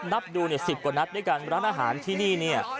นับดูเนี่ย๑๐กว่านัดด้วยกันร้านอาหารที่นี่เนี่ย